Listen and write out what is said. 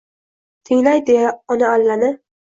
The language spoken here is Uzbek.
Tinglay deya onaallani –